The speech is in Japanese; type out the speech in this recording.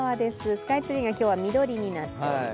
スカイツリーが今日は緑になっています。